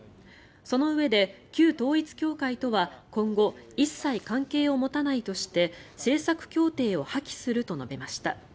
そのうえで、旧統一教会とは今後、一切関係を持たないとして政策協定を破棄すると述べました。